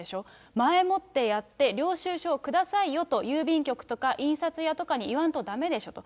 前もってやって、領収書を下さいよと、郵便局とか印刷屋とかに言わんとだめでしょと。